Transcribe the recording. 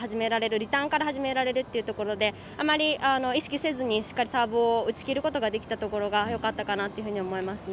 リターンから始められるっていうところであまり意識せずにしっかりとサーブを打ち切ることができたところがよかったかなと思いますね。